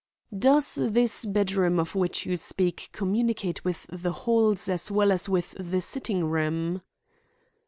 "Does this bed room of which you speak communicate with the hall as well as with the sitting room?"